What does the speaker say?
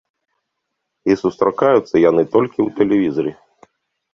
І сустракаюцца яны толькі ў тэлевізары.